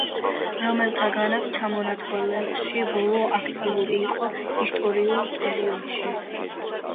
რომელთაგანაც ჩამონათვალში ბოლო, აქტიური იყო ისტორიულ პერიოდში.